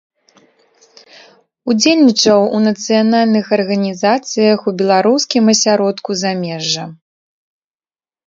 Удзельнічаў у нацыянальных арганізацыях у беларускім асяродку замежжа.